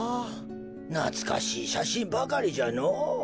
なつかしいしゃしんばかりじゃのう。